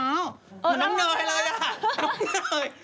เหมือนน้องเนยเลย